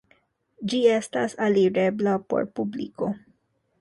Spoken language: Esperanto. Ĝi estas alirebla por publiko.